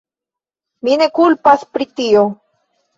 Mi ne kulpas pri tio.